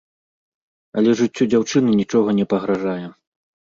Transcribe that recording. Але жыццю дзяўчыны нічога не пагражае.